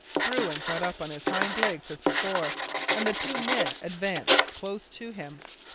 Bruin got up on his hind legs as before, and the two men advanced close to him.